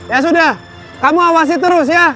ya sudah kamu awasi terus ya